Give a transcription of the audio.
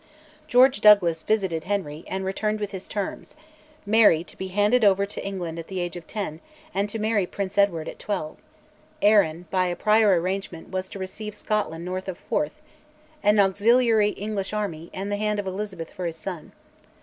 George Douglas visited Henry, and returned with his terms Mary to be handed over to England at the age of ten, and to marry Prince Edward at twelve; Arran (by a prior arrangement) was to receive Scotland north of Forth, an auxiliary English army, and the hand of Elizabeth for his son.